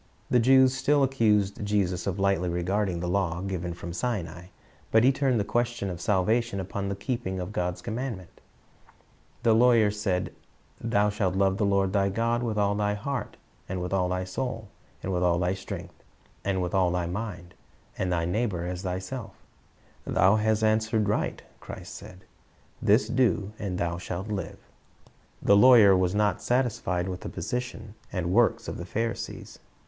The Jews still accused Jesus of lightly regarding the law given from Sinai, but He turned the question of salvation upon the keeping of God's commandments. The lawyer said, "Thou shalt love the Lord thy God with all thy heart, and with all thy soul, and with all thy strength, and with all thy mind; and thy neighbor as thyself" "Thou hast answered right," Christ said; "this do, and thou shalt live." The lawyer was not satisfied with the position c^id works of the Pharisees.